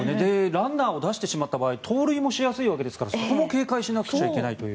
ランナーを出してしまったら盗塁もしやすいわけですからそこも警戒しなくちゃいけないという。